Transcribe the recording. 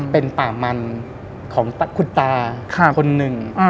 เป็นป่ามันของคุณตาคนหนึ่ง